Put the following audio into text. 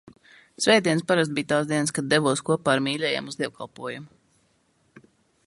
Svētdienas parasti bija tās dienas, kad devos kopā ar mīļajiem uz dievkalpojumu.